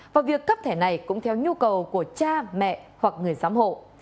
và việc cấp thẻ này cũng theo nhu cầu của cha mẹ hoặc người giám hộ